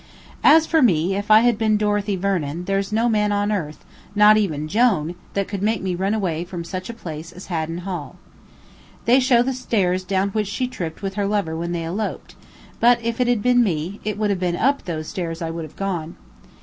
As for me, if I had been Dorothy Vernon, there's no man on earth, not even Jone, that could make me run away from such a place as Haddon Hall. They show the stairs down which she tripped with her lover when they eloped; but if it had been me, it would have been up those stairs I would have gone.